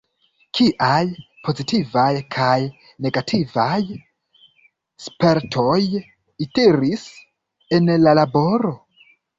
Kiaj pozitivaj kaj negativaj spertoj utilis en la laboro?